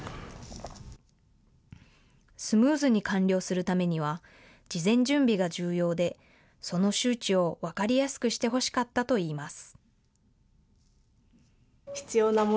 スムーズに完了するためには事前準備が重要で、その周知を分かりやすくしてほしかったと言います。